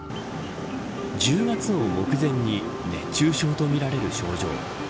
１０月を目前に熱中症とみられる症状。